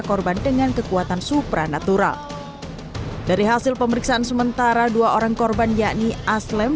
korban dengan kekuatan supranatural dari hasil pemeriksaan sementara dua orang korban yakni aslem